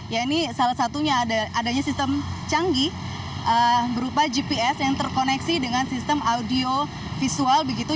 ya ini salah satunya adanya sistem canggih berupa gps yang terkoneksi dengan sistem audio visual begitu